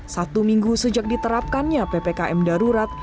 satu minggu sejak diterapkannya ppkm darurat